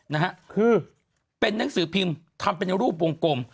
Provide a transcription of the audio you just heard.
นะฮะคือเป็นนังสือพิมพ์ทำเป็นรูปวงกลม